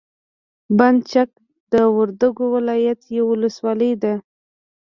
بند چک د وردګو ولایت یوه ولسوالي ده.